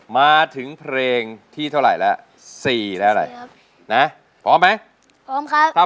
มาถึงเพลงที่เท่าไหร่แล้วสี่แล้วอะไรครับนะพร้อมไหมพร้อมครับ